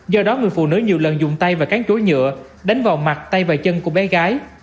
do đó người phụ nữ nhiều lần dùng tay và cán chối nhựa đánh vào mặt tay và chân của bé gái